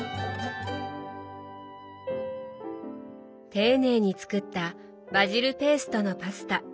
丁寧に作った「バジルペーストのパスタ」。